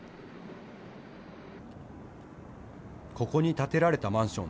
ここに建てられたマンション。